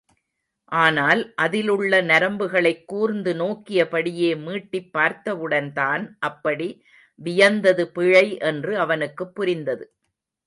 ஆனால் அதிலுள்ள நரம்புகளைக் கூர்ந்து நோக்கியபடியே மீட்டிப் பார்த்தவுடன் தான் அப்படி வியந்தது பிழை என்று அவனுக்குப் புரிந்தது.